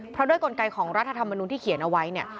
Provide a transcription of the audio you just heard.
เพราะด้วยกลไกของรัฐธรรมนุนที่เขียนเอาไว้เนี่ย